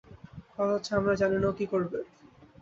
কথা হচ্ছে আমরা জানি না ও কী করবে।